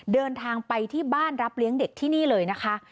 เดินทางไปที่บ้านรับเลี้ยงเด็กที่นี่เลยนะคะ